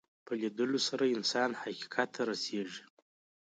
په لیدلو سره انسان حقیقت ته رسېږي